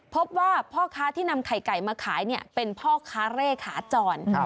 พบว่าพ่อค้าที่นำไข่ไก่มาขายเป็นพ่อค้าเร่ขาจร